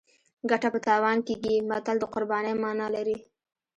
ګټه په تاوان کېږي متل د قربانۍ مانا لري